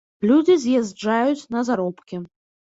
Людзі з'язджаюць на заробкі.